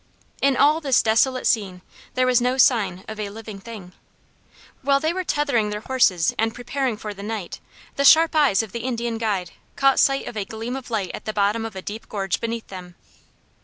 In all this desolate scene there was no sign of a living thing. While they were tethering their horses and preparing for the night, the sharp eyes of the Indian guide caught sight of a gleam of light at the bottom of a deep gorge beneath them.